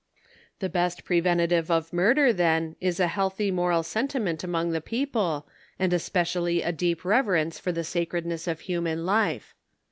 The best preventive of murder, then, is a healthy moral sentiment among the people, and especially a deep re verence for the sacredness of human life.